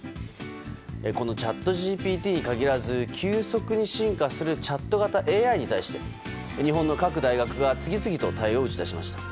このチャットＧＰＴに限らず急速に進化するチャット型ＡＩに対して日本の各大学が次々と対応を打ち出しました。